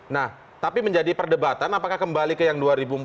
nah tapi menjadi perdebatan apakah kembali ke yang dua ribu empat belas